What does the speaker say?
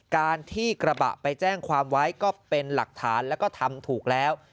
การที่กระบะไปแจ้งความไว้ก็เป็นหลักฐานแล้วก็ทำถูกแล้ว